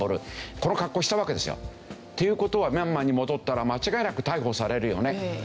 この格好をしたわけですよ。っていう事はミャンマーに戻ったら間違いなく逮捕されるよね。